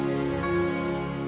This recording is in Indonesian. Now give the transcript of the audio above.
sampai jumpa lagi